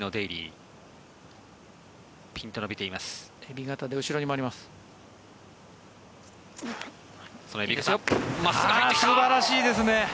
素晴らしいですね。